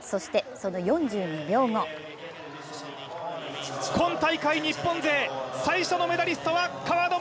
そして、その４２秒後今大会、日本勢最初のメダリストは川野将